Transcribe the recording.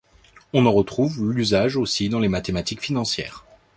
On en retrouve l'usage aussi dans les mathématiques financières.